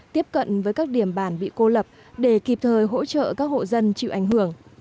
tiếp cận với các điểm bản bị cô lập để kịp thời hỗ trợ các hộ dân chịu ảnh hưởng